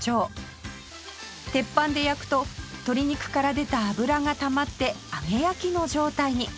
鉄板で焼くと鶏肉から出た脂がたまって揚げ焼きの状態に